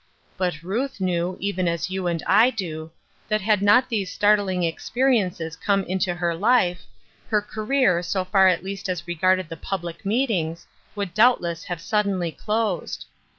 But Ruth knew, even as you and I do, that had not these startling experiences come into her life, her career, so far at least as regarded the public meetings, would doubtless have suddenly closed.